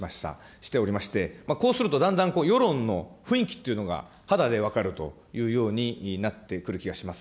しておりまして、こうするとだんだん、世論の雰囲気というのが肌で分かるというようになってくる気がします。